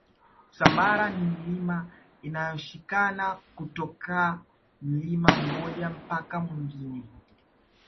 usambara ni milima iliyoshikana kutoka mlima mmoja mpaka mwingine